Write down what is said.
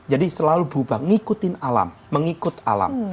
jadi selalu berubah mengikutin alam mengikut alam